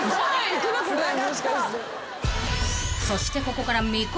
［そしてここから未公開］